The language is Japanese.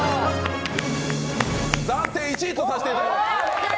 暫定１位とさせていただきます。